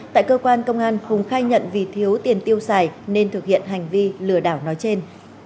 tại cơ quan công an hùng khai nhận vì thiếu tiền tiêu xài nên thực hiện hành vi lừa đảo nói trên